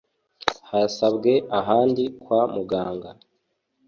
Hasabwe ahandi kwa muganga.